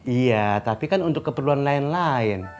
iya tapi kan untuk keperluan lain lain